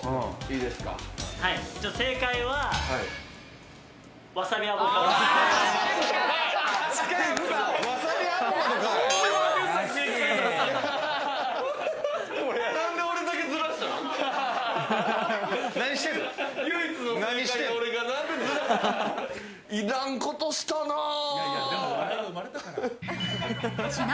いらんことしたな。